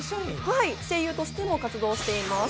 声優としても活動しています。